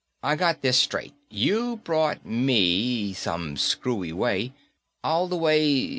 I got this straight, you brought me, some screwy way, all the way